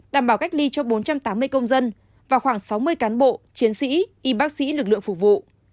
đảm bảo cách ly cho bốn trăm tám mươi công dân và khoảng sáu mươi cán bộ chiến sĩ y bác sĩ lực lượng phục vụ